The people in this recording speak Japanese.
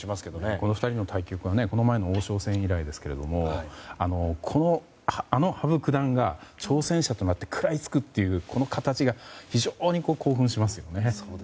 この２人の対局はこの前の王将戦以来ですけれどもあの羽生九段が挑戦者となって食らいつくという形が非常に興奮しますよね。